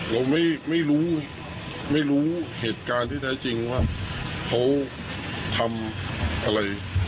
เราไม่รู้ไม่รู้เหตุการณ์ที่แท้จริงว่าเขาทำอะไร